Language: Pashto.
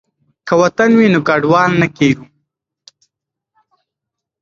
که وطن وي نو کډوال نه کیږو.